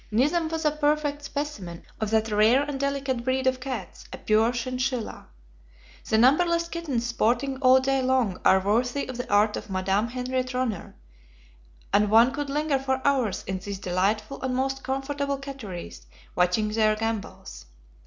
Nizam was a perfect specimen of that rare and delicate breed of cats, a pure chinchilla. The numberless kittens sporting all day long are worthy of the art of Madame Henriette Ronner, and one could linger for hours in these delightful and most comfortable catteries watching their gambols.